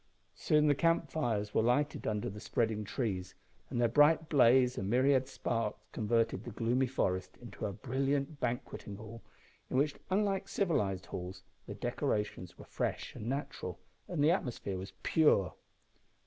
Soon the camp fires were lighted under the spreading trees, and their bright blaze and myriad sparks converted the gloomy forest into a brilliant banqueting hall, in which, unlike civilised halls, the decorations were fresh and natural, and the atmosphere was pure.